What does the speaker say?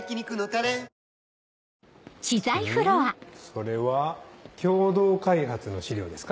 それは共同開発の資料ですか？